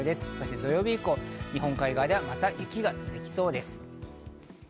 土曜日以降、日本海側ではまた雪が続きそうです。